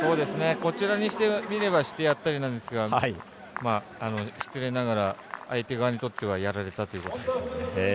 こちらにしてみればしてやったりなんですが失礼ながら、相手側にとってはやられたということです。